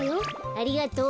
ありがとう。